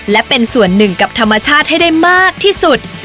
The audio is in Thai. และเป็นส่วนหนึ่งกับธรรมชาติให้ได้มากที่สุด